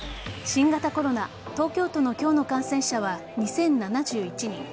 新型コロナ東京都の今日の感染者は２０７１人。